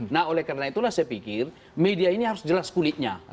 nah oleh karena itulah saya pikir media ini harus jelas kulitnya